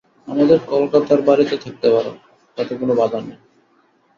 আমাদের কলকাতার বাড়িতে থাকতে পার, তাতে কোনো বাধা নেই।